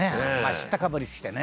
知ったかぶりしてね」